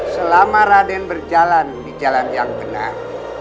selama raden berjalan di jalan yang benar